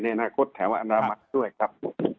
ในอนาคตแถวอนามัติด้วยครับ